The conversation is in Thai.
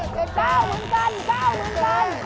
กล้าวเหมือนกัน